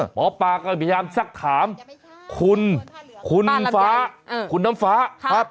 หมอปลาก็พยายามสักถามคุณคุณฟ้าคุณน้ำฟ้าครับ